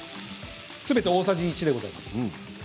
すべて大さじ１でございます。